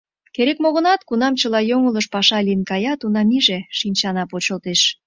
Керек-мо гынат, кунам чыла йоҥылыш паша лийын кая, тунам иже шинчана почылтеш.